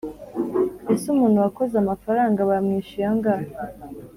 Ese umuntu wakoze amafaranga bamwishyuye angahe